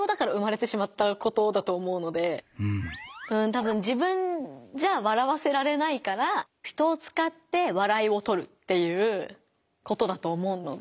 たぶん自分じゃ笑わせられないから人をつかって笑いをとるっていうことだと思うので。